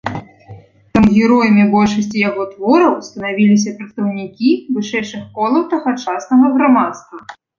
Таму героямі большасці яго твораў станавіліся прадстаўнікі вышэйшых колаў тагачаснага грамадства.